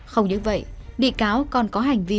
không như vậy bị cáo còn có hành vi